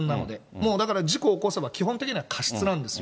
もうだから、事故を起こせば、基本的には過失なんですよ。